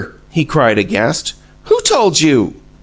he cried, aghast. "Who told you?"